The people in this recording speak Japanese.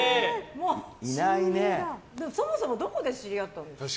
そもそもどこで知り合ったの？